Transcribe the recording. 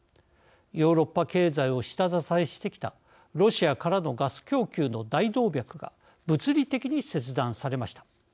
ヨーロッパ経済を下支えしてきたロシアからのガス供給の大動脈が物理的に切断されました。